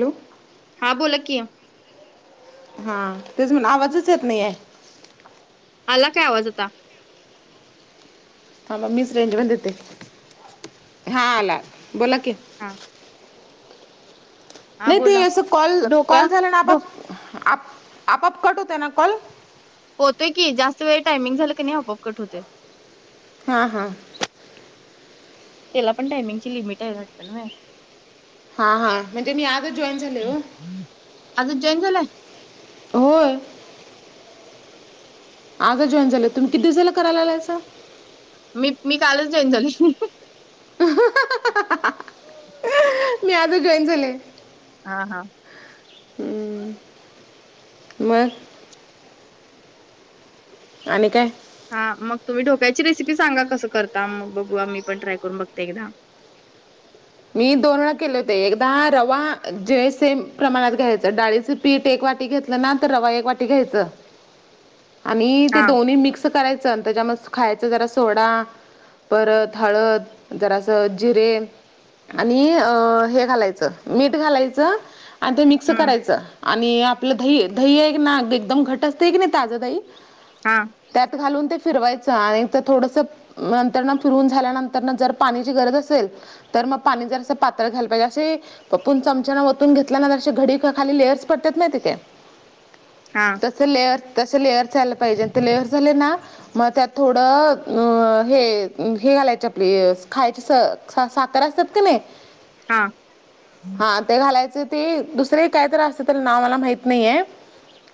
Hello! हां बोला कि, हा तेच म्हण आवाजच येत नाहीय. आला काय आवाज आता. हां मग मीच रेंजवरयेते. हा आला बोला की, हा हा नाही ते बोला असं कॉल ढोका कॉल झाला ना ढो आपाप आप आपाआप कट होत ना कॉल. होतोय की जास्त वेळ टायमिंग झालं की नाही आपाआपकट होतय. हां हां त्याला पण टायमिंगची लिमिट आहे वाटतंय. ह हा ह म्हणजे मी आज च जॉईन झाले हो. आजच जॉईन झाला. होय. आज जॉइन झालं. तुमी किती दिवसा कराला लागलायं. मी, मी कालच जॉईन झाली. मी आज जॉईन झालेय. हा हा हम्म. मग आणि काय हा मग तुम्ही डोक्याची रेसिपी सांगा कसं करता मग बघू मी पण ट्राय करून बघते एकदा मी दोन वेळा केले होते एकदा रवा जे सेम प्रमाणात घ्यायचं डाळीचे पीठ एक वाटी घेतलं ना तर रवा एक वाटी घ्यायचं आणि ते हा दोन्ही मिक्स करायचं त्या जमुळे खायचं जरा सोडा परत हळद जरा असं जिरे आणि अ हे घालायचं मीठ घालायचं आणि ते मिक्स हम्म करायचं आणि आपलं दही दही आहे की ना एकदम घट असते की नाही ताजं दही हा त्यात घालून ते फिरवायचं आणि तर थोडस नंत्रणा सुर झाल्यानंतर जर पाण्याची गरज असेल तर मग पाणी जर असं पातळ घालला पाहिजे असे पप्ून चमचाना वतून घेतल्यानंतरे घडी खाली लेअर्स पडतात नाही तिथे हा लेअर तसं लेअर झालं पाहिजे ते लेअर झाले ना मग त्यात थोडं अ हे हे घालायचे आपली खायची त असतत क नाही हा हां ते घालायचं ते दुसरे काय तर असत तर नाव मला माहीत नाही आहे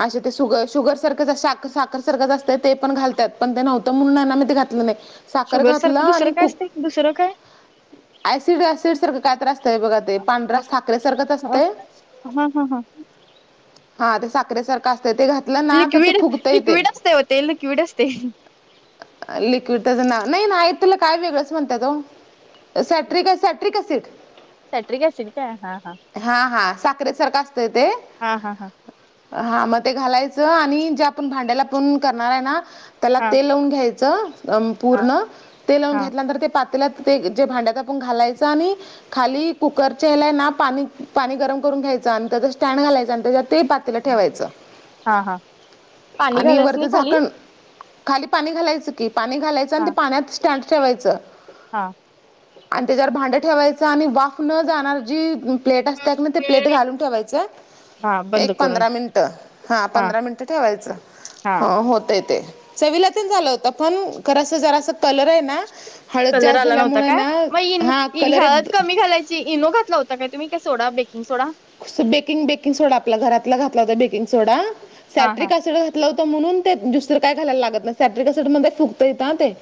असे तेग शुगर सारखं साखर सरगतच असत ते पण घालतात पण ते नव्हतं मुंना मी ते घातलं नाही साखर शुगर घातला सारखं दुसरं आणि काय कु असतंय दुसरं काय ऍसिड वसिड सारख काय त्रास बघा ते हा पांढरास ठाकरे सारखत असते हा हा हा ते साखरे सारखं असतय ते घातलं ना तर ते लिक्विड फुगतय ते लिक्विड असतंय ओ ते लिक्विड असतंय लिक्विड त्याचं नाव नाही ना तला काय वेगळंच म्हणतय तो सॅट्रिक सॅट्रिक असट साटर क असेन का हा हा हा हा साखरेसारखं असतंय ते हा हा हा हा मग ते घालायचं आणि जे आपण भांड्याला पण करणार आहे ना त्याला हा तेल लावून घ्यायचं हा पूर्ण ते लावून हा घेतल्यानंतर ते पातेला ते जे भांड्यात आपण घालायचं आणि खाली कुकरच्याला ना पाणी पाणी गरम करून घ्यायचं आणि त्याच स्टँड घालायचं आणि त्याच्यात ते ठेवायच हा हा. पाणी आणि घालायचं वरच नाही खाली. झाकण खाली पाणी घालायचं की पाणी घालायचं आणि हा ते पाण्यात स्टँड ठेवायचं हा आणि त्याच्यावर भांडं ठेवायचं आणि वाफ न जाणार जी प्लेट असतते ना ते प्लेट घालून ठेवायचं हा बंद एक करून पंधरा मिनटं हां हा पंधरा मिनटं ठेवायचं. हा हो होत. ते चवीला झालं होत. पण खर जरा कलर आहे. ना हळद कलर जास्त आला झाल्या काय मग शाळ कमी घालायची इनो घातला होता काय तुम्ही काय soda baking soda baking baking soda आपल्या घरातला घातला होता बेकिंग सोडा हा हा सॅट्रिक असिड होतं म्हणून ते दुसरं काय घायला लागत नाही सॅट्रिकट मध्ये फुकत य ना ते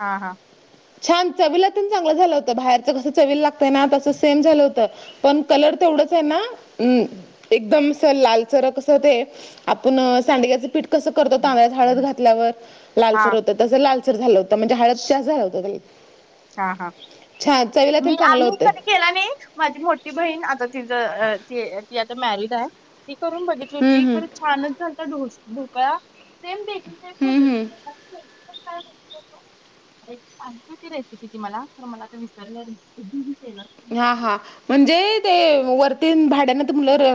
हा हा छान चवीलात चांगलं झालं होतं. बाहेरच कसं चवील लागतं. ना तसं सेम झालं होतं. पण कलर तेवढंच आहे. ना एकदम लालचर कस होते. आपण सांडग्याचं पीठ कस करतो तांद्यात हळद घातल्यावर लालसर हा होतं. तसं लालचर झालं होतं. म्हणजे हळद झालं होत. बदल हा. हा. मी चांगलं आम्ही होतं कधी केला नाही. माझी मोठी बहीण आता तिचं ती ती आता मॅरिड आहे. ती करून बघितली हम्म, होती हम्म. खरं छानच झालत ढोकळा हम्म, हम्म. [unintelligible] तिथे की मला तर मला ते विसारयला [unintelligible] हा हा म्हणजे. ते वरती भाड्याना नुल र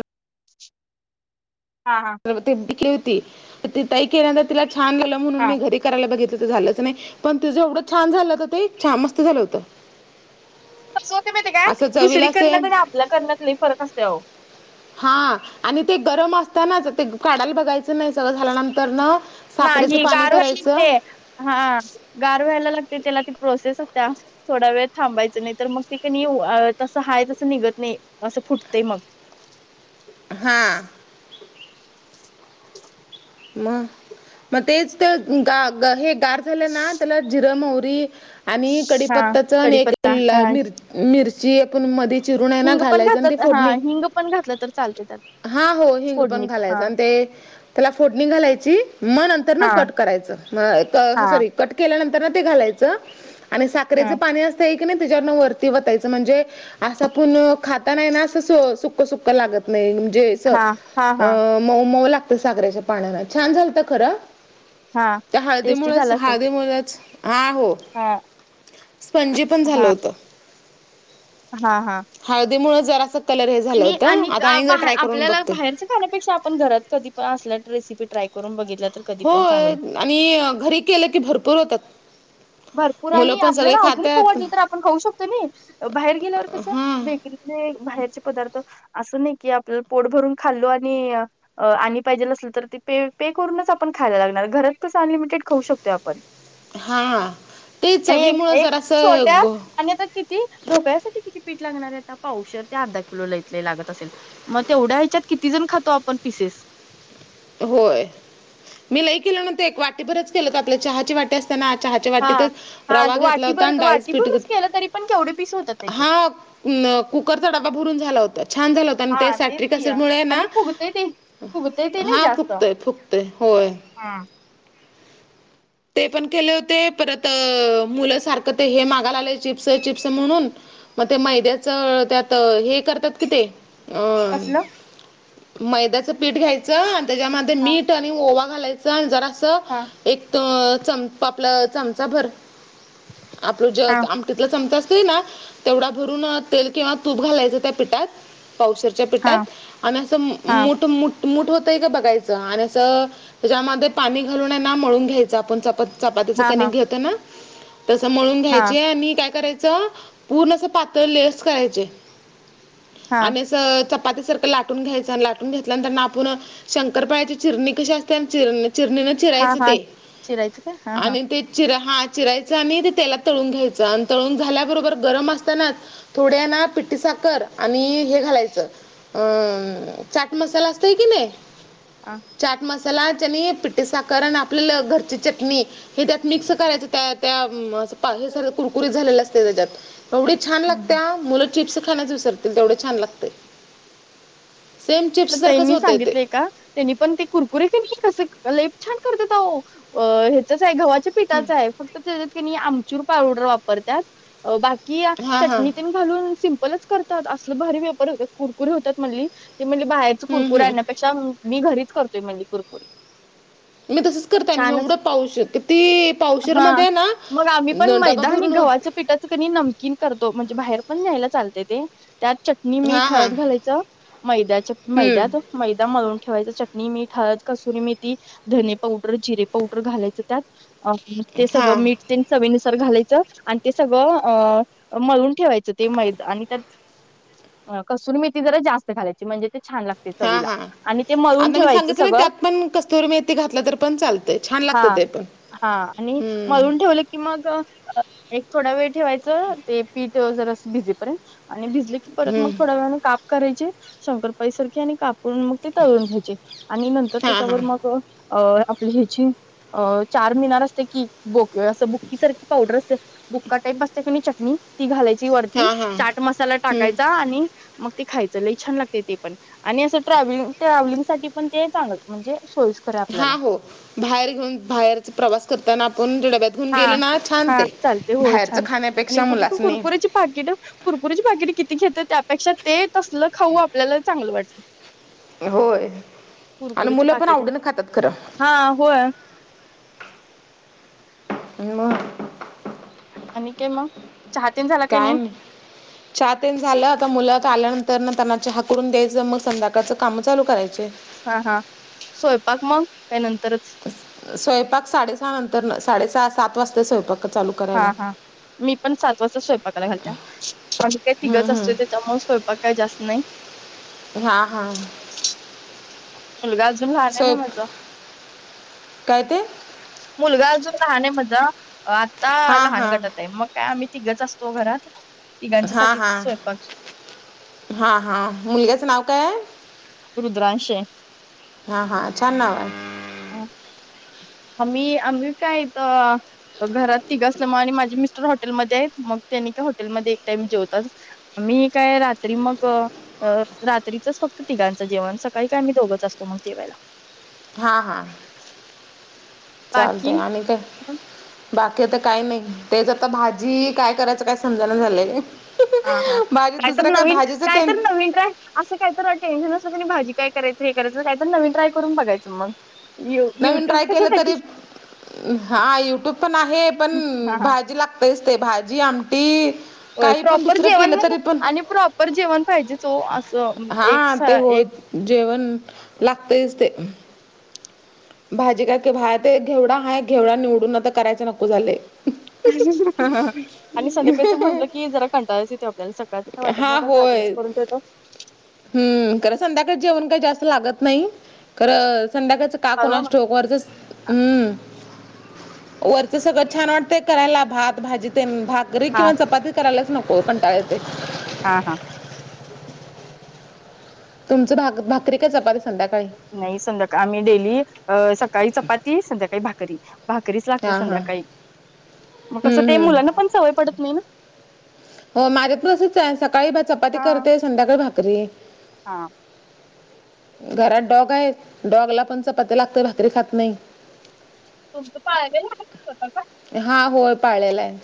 हा हा. [unintelligible] ते ताई केल्या नंतर तिला छान गेलं म्हनून हा मी घरी करायला बघितलं तर झालंच नाही. पण ते जे एवढं छान झालं हो ते छान मस्त झालं होतं. कसं होते माहिती काय असं दुसरी चवीला सेम करण्यात आपला करण्यातले फरक असतोय आओ. हा आणि ते गरम असतानाच ते काढाला बघायच नाही सगळं झाल्यानंतर न साखरेचं नाही पाणी गार व्हायला करायचं लागते हा. गार व्हायला लागतय त्याला ती प्रोसेस आसत्या. थोडा वेळ थांबायचं नाही. तर मग ते का तसं हाय तसं निघत नाही. असं फुटतंय मग हा. मग मग तेच ग हे गार झालं ना त्याला जिरं, मवरी आणि कडीपत्ता च आणि एक कडीपत्ता किल्ला हा मिर मिरच जी पण मध्ये चिरून आहे ना हिंग पण घालायचं आणि ती घातलं हा फोडणी हिंग पण घातलं तर चालते त्यात हा हो हिंग पण फोडणीत. हा घालायचं आणि ते त्याला फोडणी घालायची मग नंतर न हा कट करायचं. हा सॉरी कट केल्यानंतर ना ते घालायचं आणि साखरेचं हा पाणी अस की नाही तेजा वरण वतायचं म्हणजे असं पण खाता नाही ना असं सुक्कं सुक्कं लागत नाही म्हणजे हा हा हा म मऊ लागत सागराच्या पाण्याना छान झालत खर हा त्या टेस्टी झाला असेल हळदीमुळच-हळदीमुळच हा हो. हा स्पंजी पण झालं होत. हा हा हळदी मुळ जरा असं कलर हे झालं आणि होतं. आता आणि जर ट्राय करून बघते. खण्यापेक्षा आपण घरात कधी असल्या रेसिपी ट्राय करून बघितल्या तर कधी पण होय चांगलं आणि घरी केलं की भरपूर होतात. भरपूर मुलं आणि पण सगळे आपल्याला अजून खऊ खातात वाटलं तर आपण खाऊ शकतो नाइ बाहेर गेल्यावर कसं हां बेकरी नाही बाहेरचे पदार्थ असं नाही की आपलं पोट भरून खाल्लो आणि आणि पाहिजेल असेल तर ती प पे करूनच आपण खायला लागणार घरात कसं अनलिमिटेड खाऊ शकतोय आपण हा. आणि एक-एक छोट्या आणि किती धोकळायासाठी किती पीठ लागणार आहे आता पाऊशर ते अर्धा किलो लईतलइ लागत असेल. मग तेवढ्या ह्याच्यात किती जण खातो आपण पिसेस? होय. मी लई केलं नतं एक वाटेभरच केलं. का आपल्या चहाची वाटी अस त्या ना चहाच्या हा वाटीतच हा रवा घेतला होता आणि वाटीभरच डाळीच पिट वाटीभरच केलं तरी पण केवढे पीस होतात त्याचे हा कुकर डाबा भरून झाला होता. छान झालं होतं आणि ते हा तेच सॅट्रिक की ॲसिड या. मुळे ना आणि फुगतय ते फुगतय ते नाही हा जास्त फुकतय फुकतय होय. हा. ते पण केले होते परत मुलं सारखं ते हे मागायला. आले चिप्स-चिप्स म्हणून मग ते मैद्याचं त्यात हे करतात. कि ते अं कसलं मैद्याच पीठ घ्यायचं आणि त्याच्यामध्ये हा मीठ आणि ओवा घालायचं आणि जरासं हा अ चम आपला चमचा भर आप हे हा ति चमचा अस ना तेवढा भरून तेल किंवा तूप घालायचं. त्या पीठात पाव च्या हा पिटात आणि असं हा मुट-मुट मूठ होतंय का बघायचं आणि असं त्याच्यामध्ये पाणी घालूनय ना म्हणून मळून घ्यायचं आपण चपाती. चपातीचं हा कनिक हा घेतं ना तसं मळून हा घ्यायचे आणि काय करायचं पूर्ण असं पातळ लेस करायचे. हा आणि चपाती सारखं लाटून घ्यायचं आणि लाटून घेतल्यानंतर आपण. शंकरपायाची चिरणी कशीा असतेना चिर चिरणी चिरायचं ते. चचीरायत का हा हा. चि हा चिरायच आणि ते तेलात तळून घ्यायचं आणि तळून झाल्याबरोबर गरम असताना. थोड्याना पिट्टी साखर आणि हे घालायचं. अम चाट मसाला असत की नाही हा चाट मसाला आणि पिठी साखर आणि आपल्याला घरची चटणी हे त्यात मिक्स करायच त्या त्या हे स कुरकुरीत झालेलं असते त्याच्यात एवढी छान ह लागत्या मुलं चिप्स खाण्यास विसरतील तेवढ छान लागते सेम चिप्स सारखच ताईंनी होतय ते. सांगितलंय का त्यांनी पण ते कुरकुरी ती कसं लय छान करत ह्याचच आहे गवाचे. पिठाच आहे फक्त त्याच्यात आमचूर पावडर वापरतात बाकी हां चट हां घालून सिपलच करतात असं भारी वेफर्स कुरकुरी होतात म्हणली बाहेर हम्म कुरकुरी हम्म आणण्यापेक्षा मी घरीच करतोय मली कुरकुरी मी तसच करताय ना एवढं पाऊशी किती पावशीर हा मध्ये ना मग आम्ही पण न- डबा मैदा आणि भरून गव्हाचे होत पिठाचं क नमकीन करतो म्हणजे बाहेर पण न्यायला चालते ते त्यात चटणी हा मीठ हा हळद घालायचं. मैदाच मैदात हम्म मैदा मळून ठेवायच चटणी मी हळद कसुरी मेथी ती धनी पावडर जिरे पावडर घालायचं. त्यात अ ते हा सगळं मीठ ते चवीनुसार घालायचं आणि ते सगळं अ मळून ठेवायचं ते मैद आणि त्यात कसतुरी मेथी जरा जास्त घालाची म्हणजे छान लागतं. हा हा आता मी सांगितलं ना सगळं त्यात पण कस्तुरी मेथी घातलं तर पण चालतंय छान हा लागतं ते पण. हा आणि हम्म मळून ठेवलं. कि मग एक थोडा वेळ ठेवायचं ते पीठ जर असं भिझेपर्यंत. आणि भिजले की परत मग हम्म थोड्या वेळाने काप करायचे शंकरपाईसारखी आणि कापून मग. ते तळून घ्यायचे आणि नंतर हा हा त्याच्यावर मग. अ आपली ह्याची अ चार मिनार असते की. बोक असं बुक्की सारखी पावडर अस बुक्का टाईप बसते की नाही चटणी. ती घालायची वरती हा हा चाट मसाला हम्म टाकायचा आणि मग ती खायचं लय छान लागते ते पण आणि असं ट्रॅव्हलिंग साठी पण सोयीस्कर पण ते छान म्हणजे सोयीस्कर आहे आपल्याला हा हो बाहेर घेऊन बाहेर प्रवास करताना आपण डब्यात घेऊन हा गेलो ना छान हा ते. चालते बाहेरच खाण्यापेक्षा मुलासनी. पाकीट कुरकुरीची पाकिट किती घेत त्यापेक्षा ते तसलं खाऊ आपल्याला चांगलं वाटतं. होय आणि कुरकुरीचे मुलं पण पाकिट आवडीन खातात खरं हा होय आणि मग आणि काय मग चहा ते झाला? काय नि चहा तेन झालं आता मुलं तर आल्यानंतर ना त्यांना चहा करून द्यायचं मग संध्याकाळचं काम चालू करायचे. हा हा स्वयंपाक मग काय नंतरच? स्वयंपाक साडेसहा नंतर साडे सहा सात वाजता स्वयंपाक. चालू हा करायला. हा मी पण सात वाजता स्वयंपाकाला घालत पण ते हम्म तिघच हम्म असतो. स्वयंपाक काय जास्त नाही. हा हा मुलगा अजून लहान आहे ना माझा का त मुलगा जो लहान आहे माझा आता हा लहान हा गटत आहे मग काय आम्ही तिघच असतो घरात हा तिघांच्यासाठी हा स्वयंपाक हा हा मुलग्याचं नाव कायय रुद्रांशे हा हा छान नाव आहे ह आम्ही आम्ही काय तर घरात तिघच असल्यामुळ आणि माझे मिस्टर हॉटेलमध्ये आहेत मग त्यांनी का हॉटेलमध्ये एक टाइम जेवताात मी काय रात्री मग रात्रीचच फक्त तिघांच जेवण सकाळी काय आम्ही दोघचतो मग जेवायला हा हा चालतंय बाकी आणि काय बाकी आता काय नाही तेच आता भाजी काय करायचं काय समजेना झालंय हा हा भाजी काय तर दुसरं नवीन भाजीचं काय ते तर नवीन ट्रॉय असं काय तर टेन्शन असतं नाही भाजी कायरायचं हे करायचं काही तर नवीन ट्राय करून बघायचं मग यु नवीन युट्यूब ट्राय केलं कशासाठी तरी हा युट्यूब पण आहे पण हा हा भाजी लागते तेच ते भाजी आमटी हो काही पण प्रॉपर दुसरं जेवण केलं तरी पण आणि प्रॉपर जेवण पाहिजे तो असं हा एक ते होय जेवण लागतेच ते भाजी काय क घेवडा हाय घेवडा निवडून आता करायच नको झालेय अ ह ह आणि संध्याकाळीच म्हटलं की जरा कंटाळाच येतो आपल्याला सकाळचं काय वाटत नाही हा आपण होय रात्रीच करून ठेवतो हम्म कारण संध्याकाळ जेवण काही जास्त लागत नाही कारण संध्याकाळच का परवा कोणास मग ठाऊक वरच हम्म वरच सगळं छान वाटतंय करायला भात भाजी ते भाकरी हा किंवा चपाती करायलाच नको कंटाळा येतोय हां हां तुमचं भा भाकरी का चपाती संध्याकाळी नाही संध्याकाळी आम्ही डेली अ सकाळी चपाती संध्याकाळी भाक करी भाकरीच लागते हा हा संध्याकाळी मग कसं हम्म ते हम्म. मुलांना पण सवय पडत नाही ना हो माझ्यात पण असंच आहे सकाळी चपाती हा करते संध्याकाळी भाकरी हा घरात डॉग आहे डॉगला पण चपाती लागते भाकरी खात नाही तुमचं पाळ श का हा होय पाळलेला आहे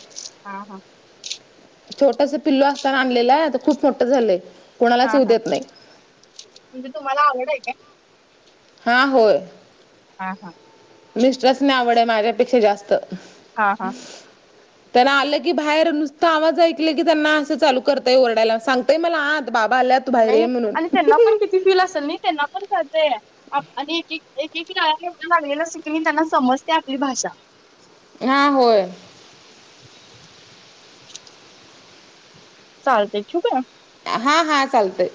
हा हा छोटस पिल्लू असताना आणलेलं आहे तर खूप मोठ झालं हा हा म्हणजे तुम्हाला आवड आहे का हा होय हा हा मिस्टरस नाही आवड माझ्यापेक्षा जास्त हा हा त्यांना आलं की बाहेर नुसतं आवाज ऐकले की त्यांना असं चालू करता येय ओडायला सांगताय मला आत बाबा आल्यात नाही आणि त्यांना पण किती फील असेल नाही त्यांना पण करतेय आणि एक एक एक एकला लागलेलं की मी त्यांना समजते आपली भाषा हा होय [inaudible] चालते ठीक आहे हा हा चालतय